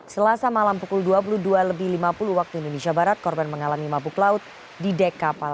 selasa malam pukul dua puluh dua lebih lima puluh waktu indonesia barat korban mengalami mabuk laut di dek kapal